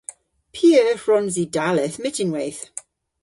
P'eur hwrons i dalleth myttinweyth?